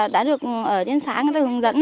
đã được ở trên xã hướng dẫn